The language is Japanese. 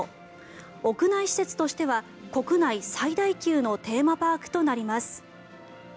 屋内施設としては国内最大級のテーマパークとなります。